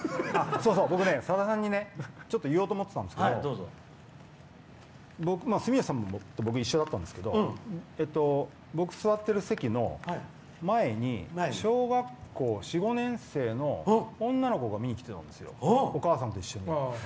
僕ね、さださんに言おうと思ってたんですけど住吉さんと僕一緒だったんですけど僕座ってる席の前に小学校４５年生の女の子が見に来てたんですよお母さんと一緒に。